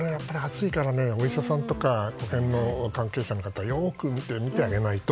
でも、これは暑いからお医者さんとか保健の関係者の方よく見てあげないと。